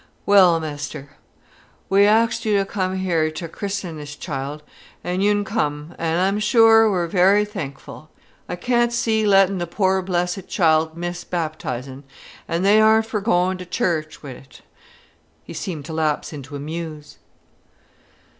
"Well, mester—we'n axed you to come her ter christen this childt, an' you'n come, an' I'm sure we're very thankful. I can't see lettin' the poor blessed childt miss baptizing, an' they aren't for goin' to church wi't—" He seemed to lapse into a muse.